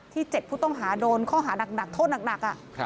๗ผู้ต้องหาโดนข้อหานักโทษหนัก